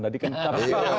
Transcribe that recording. tadi kan tafsirkan